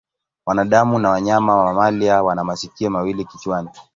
Wanadamu na wanyama mamalia wana masikio mawili kichwani.